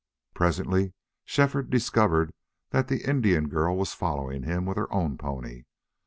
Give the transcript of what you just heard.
Presently Shefford discovered that the Indian girl was following him with her own pony.